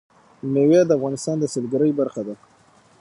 مېوې د افغانستان د سیلګرۍ برخه ده.